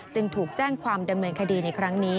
จึงถูกแจ้งความดำเนินคดีในครั้งนี้